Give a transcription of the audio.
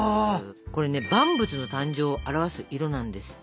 これね「万物の誕生」を表す色なんですって韓国では。